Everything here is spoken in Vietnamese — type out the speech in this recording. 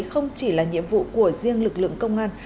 không chỉ là nhiệm vụ của riêng lực lượng công an